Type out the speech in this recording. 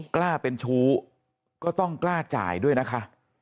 กล้าเป็นชู้ก็ต้องกล้าจ่ายด้วยนะคะ